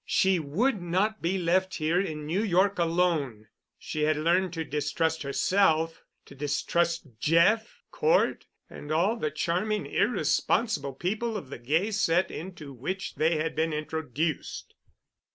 She would not be left here in New York alone. She had learned to distrust herself, to distrust Jeff, Cort, and all the charming irresponsible people of the gay set into which they had been introduced.